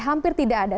hampir tidak ada